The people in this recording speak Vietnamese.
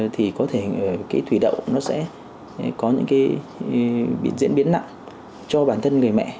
thì có thể thủy đậu nó sẽ có những diễn biến nặng cho bản thân người mẹ